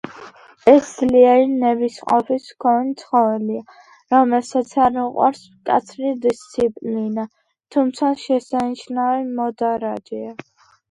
ეს ძლიერი ნებისყოფის მქონე ცხოველია, რომელსაც არ უყვარს მკაცრი დისციპლინა, თუმცა შესანიშნავი მოდარაჯეა.